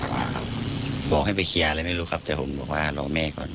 ไม่ไปเคลียร์อะไรไม่รู้ครับแต่ผมบอกว่ารอแม่ก่อน